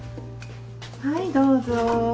はいどうぞ。